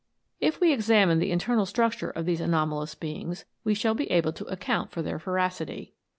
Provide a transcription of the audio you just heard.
If we examine the internal structure of these anomalous beings, we shall be able to ac count for their voracity.